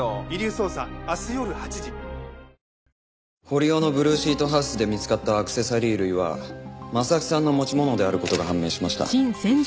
堀尾のブルーシートハウスで見つかったアクセサリー類は征木さんの持ち物である事が判明しました。